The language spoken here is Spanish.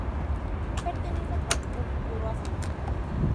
Pertenece al partido Futuro Azul.